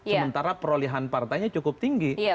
sementara perolehan partainya cukup tinggi